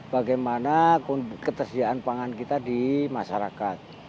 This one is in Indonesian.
bagaimana ketersediaan pangan kita di masyarakat